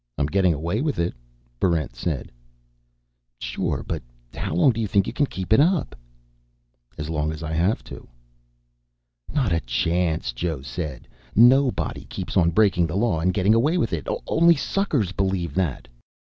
"I'm getting away with it," Barrent said. "Sure. But how long do you think you can keep it up?" "As long as I have to." "Not a chance," Joe said. "Nobody keeps on breaking the law and getting away with it. Only suckers believe that."